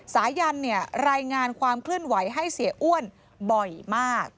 สายันเนี่ยรายงานความเคลื่อนไหวให้เสียอ้วนบ่อยมาก